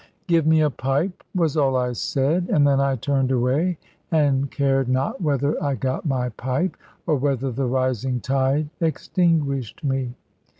"Give me a pipe," was all I said; and then I turned away, and cared not whether I got my pipe, or whether the rising tide extinguished me.